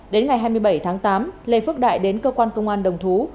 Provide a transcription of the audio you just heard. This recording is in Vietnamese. đến ngày hai mươi bảy tháng tám lê phước đại đến cơ quan công an đồng thú